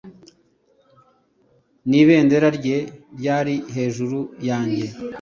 N’ibendera rye ryari hejuru yanjye